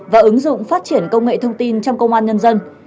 và ứng dụng phát triển công nghệ thông tin trong công an nhân dân